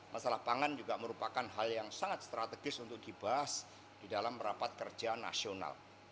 masalah pangan juga merupakan hal yang sangat strategis untuk dibahas di dalam rapat kerja nasional